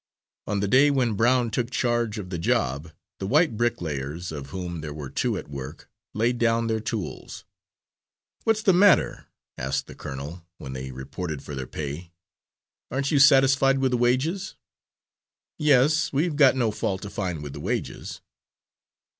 On the day when Brown took charge of the job the white bricklayers, of whom there were two at work, laid down their tools. "What's the matter?" asked the colonel, when they reported for their pay. "Aren't you satisfied with the wages?" "Yes, we've got no fault to find with the wages."